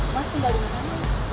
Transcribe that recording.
mas tinggal di mana